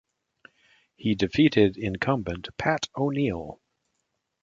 He defeated incumbent Pat O'Neill.